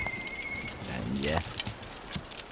何じゃ。